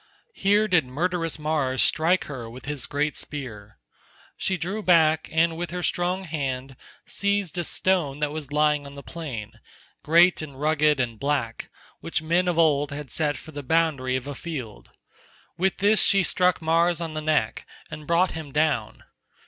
Here did murderous Mars strike her with his great spear. She drew back and with her strong hand seized a stone that was lying on the plain—great and rugged and black—which men of old had set for the boundary of a field. With this she struck Mars on the neck, and brought him down.